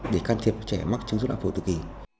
để can thiệp trẻ mắc chứng dối loạn phổ tự kỷ